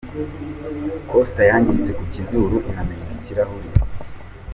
Coaster yangiritse ku kizuru inameneka ikirahuri.